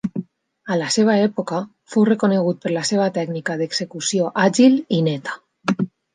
A la seva època fou reconegut per la seva tècnica d'execució àgil i neta.